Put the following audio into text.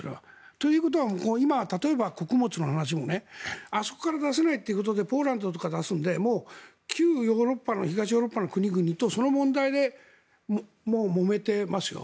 ということは今例えば穀物の話もあそこから出せないということでポーランドから出すので旧ヨーロッパの東ヨーロッパの国々とその問題でもうもめていますよ。